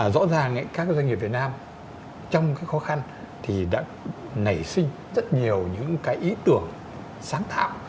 rõ ràng các doanh nghiệp việt nam trong khó khăn đã nảy sinh rất nhiều ý tưởng sáng tạo